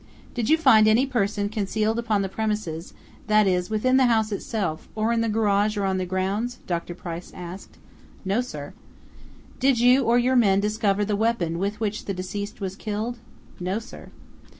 "Did you find any person concealed upon the premises, that is, within the house itself, or in the garage or on the grounds?" Dr. Price asked. "No, sir." "Did you or your men discover the weapon with which the deceased was killed?" "No, sir."